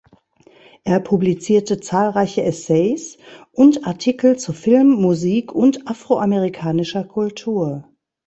Er publizierte zahlreiche Essays und Artikel zu Film, Musik und afroamerikanischer Kultur.